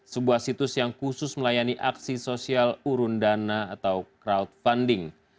sebuah situs yang khusus melayani aksi sosial urundana atau crowdfunding